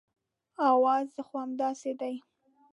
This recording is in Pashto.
اوازې خو همداسې دي.